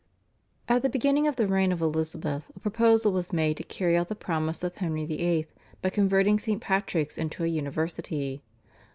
At the beginning of the reign of Elizabeth a proposal was made to carry out the promise of Henry VIII. by converting St. Patrick's into a university.